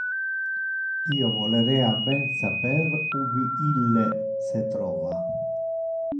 Io volerea ben saper ubi ille se trova!